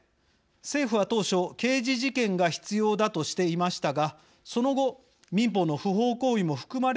政府は当初刑事事件が必要だとしていましたがその後民法の不法行為も含まれると修正しました。